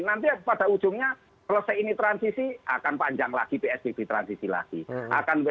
nanti pada ujungnya selesai ini transisi akan panjang lagi psbb transisi lagi